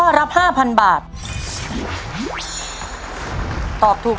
ใช่นักร้องบ้านนอก